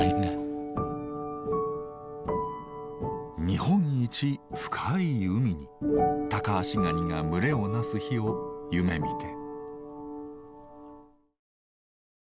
日本一深い海にタカアシガニが群れを成す日を夢みて。